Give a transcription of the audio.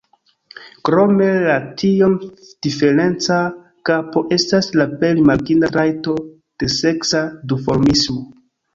Krome la tiom diferenca kapo estas la plej rimarkinda trajto de seksa duformismo.